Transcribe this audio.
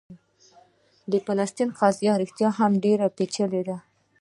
د فلسطین قضیه رښتیا هم ډېره پېچلې ده.